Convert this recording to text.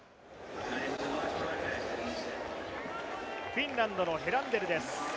フィンランドのヘランデルです。